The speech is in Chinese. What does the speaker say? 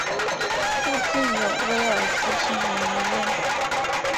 附近有威尔斯亲王医院。